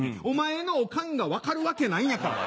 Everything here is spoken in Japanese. お前のオカンが分かるわけない。